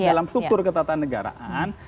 dalam struktur ketatanegaraan